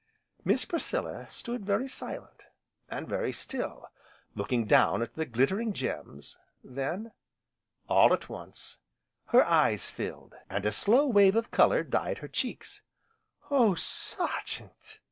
Miss Priscilla stood very silent, and very still, looking down at the glittering gems, then, all at once, her eyes filled, and a slow wave of colour dyed her cheeks: "Oh Sergeant!"